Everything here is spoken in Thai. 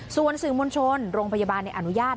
ส่วนสื่อมวลชนโรงพยาบาลในอนุญาต